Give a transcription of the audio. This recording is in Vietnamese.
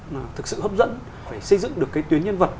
mà thực sự hấp dẫn phải xây dựng được cái tuyến nhân vật